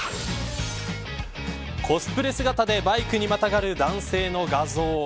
コスプレ姿でバイクにまたがる男性の画像。